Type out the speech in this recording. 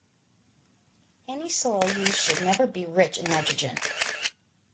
Any soil used should never be "rich" in nitrogen.